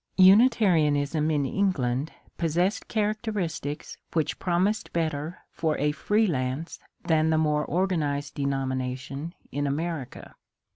Unitarianism in England possessed characteristics which promised better for a free lance than the more organized denomination in America.